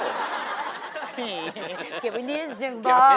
เก็บไว้นิดหนึ่งบอก